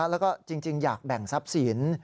แล้วก็จริงอยากแบ่งทรัพย์สิน